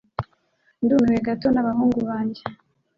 Ndumiwe gato nabahungu banjye.